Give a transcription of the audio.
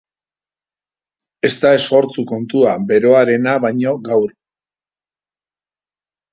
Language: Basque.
Ez da esfortzu kontua, beroarena baino gaur.